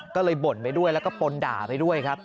ก็เลยบ่นไปด้วยแล้วก็ปนด่าไปด้วยครับ